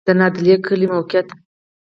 د نادعلي کلی موقعیت